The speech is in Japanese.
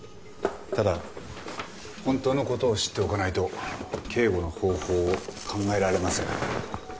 ただ本当の事を知っておかないと警護の方法を考えられません。